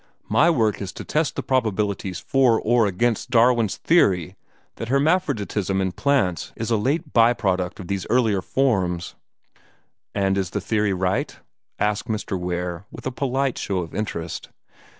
My work is to test the probabilities for or against Darwin's theory that hermaphroditism in plants is a late by product of these earlier forms." "And is his theory right?" asked Mr. Ware, with a polite show of interest.